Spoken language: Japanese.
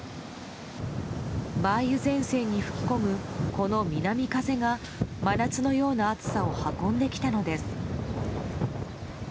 梅雨前線に吹き込む、この南風が真夏のような暑さを運んできたのです。